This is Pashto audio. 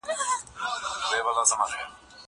زه پرون موبایل کاروم؟